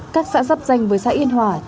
các xã dắp danh với xã yên hòa